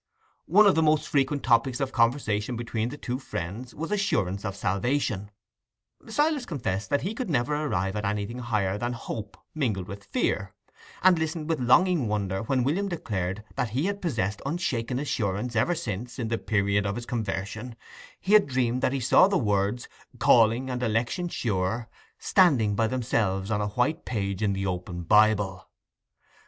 One of the most frequent topics of conversation between the two friends was Assurance of salvation: Silas confessed that he could never arrive at anything higher than hope mingled with fear, and listened with longing wonder when William declared that he had possessed unshaken assurance ever since, in the period of his conversion, he had dreamed that he saw the words "calling and election sure" standing by themselves on a white page in the open Bible.